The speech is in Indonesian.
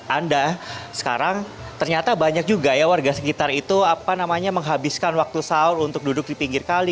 anda sekarang ternyata banyak juga ya warga sekitar itu menghabiskan waktu sahur untuk duduk di pinggir kali